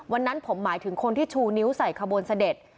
วันนั้นผมหมายถึงคนที่ชูนิ้วใส่ขบวนเสด็จ